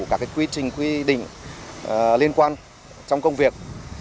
các quy trình quy định liên quan trong công việc